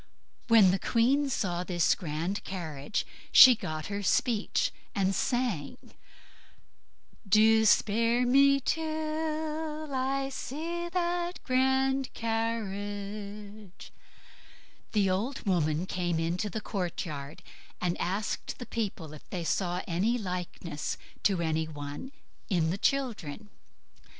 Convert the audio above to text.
When the queen saw this grand carriage she got her speech and sung, "Do spare me till I see that grand carriage." The old woman came into the courtyard, and asked the people if they saw any likeness to any one in the children.